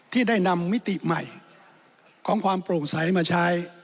ที่ได้นำมิติใหม่ของความโปร่งใสมาใช้